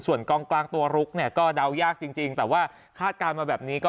ส่วนกองกลางตัวลุกเนี่ยก็เดายากจริงแต่ว่าคาดการณ์มาแบบนี้ก็